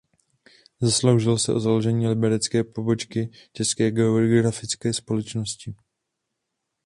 Zasloužil se o založení liberecké pobočky České geografické společnosti.